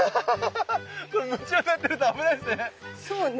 これ夢中になってると危ないですね。